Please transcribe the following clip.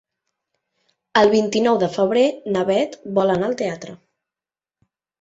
El vint-i-nou de febrer na Bet vol anar al teatre.